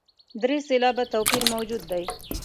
درې سېلابه توپیر موجود دی.